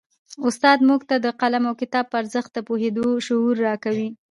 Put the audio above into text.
استاد موږ ته د قلم او کتاب په ارزښت د پوهېدو شعور راکوي.